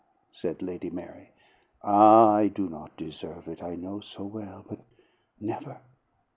said Lady Mary. "Ah, I do not deserve it, I know so well! But " "Never!"